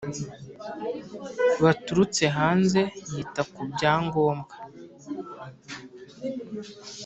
Baturutse hanze yita ku bya ngombwa